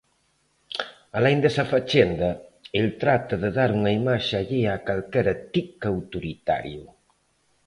Alén desa fachenda, el trata de dar unha imaxe allea a calquera tic autoritario.